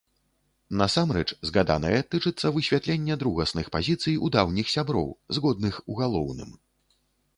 Насамрэч згаданае тычыцца высвятлення другасных пазіцый у даўніх сяброў, згодных у галоўным.